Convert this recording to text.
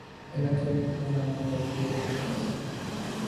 En la Academia tuvo una muy activa participación.